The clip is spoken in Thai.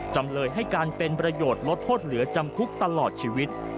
จำเลยให้การเป็นประโยชน์ลดโทษเหลือจำคุกตลอดชีวิต